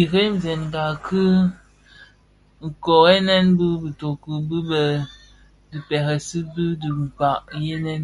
Jremzèna ki kōghènè bi bitoki bi lè dhi pèrèsi dhi dhikpag gèènë.